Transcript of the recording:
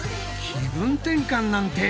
気分転換なんて